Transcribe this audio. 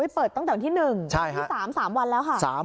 เปิดตั้งแต่วันที่๑๓วันแล้วค่ะ